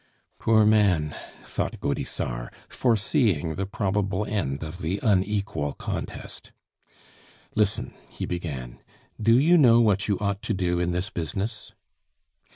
"Poor man!" thought Gaudissart, foreseeing the probable end of the unequal contest. "Listen," he began, "do you know what you ought to do in this business?"